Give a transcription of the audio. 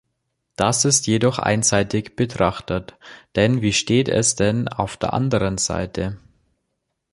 Das ist jedoch einseitig betrachtet, denn wie steht es denn auf der anderen Seite?